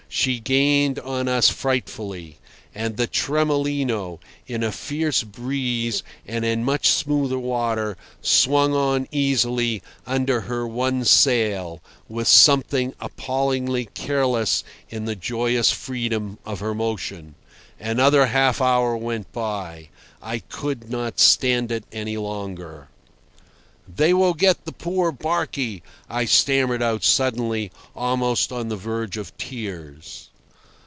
She gained on us frightfully. And the Tremolino, in a fierce breeze and in much smoother water, swung on easily under her one sail, with something appallingly careless in the joyous freedom of her motion. Another half hour went by. I could not stand it any longer. "They will get the poor barky," I stammered out suddenly, almost on the verge of tears.